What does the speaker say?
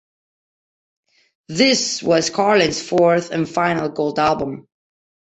This was Carlin's fourth and final gold album.